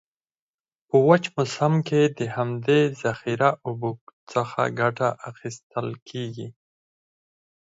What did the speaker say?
په وچ موسم کې د همدي ذخیره اوبو څخه کټه اخیستل کیږي.